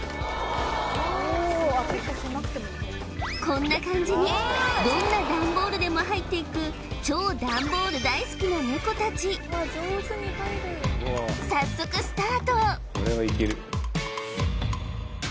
こんな感じにどんなダンボールでも入っていく超ダンボール大好きなネコたち早速スタート